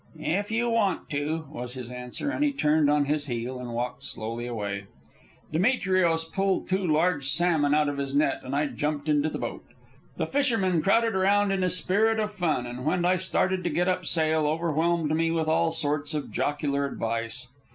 "If you want to," was his answer, as he turned on his heel and walked slowly away. Demetrios pulled two large salmon out of his net, and I jumped into the boat. The fishermen crowded around in a spirit of fun, and when I started to get up sail overwhelmed me with all sorts of jocular advice.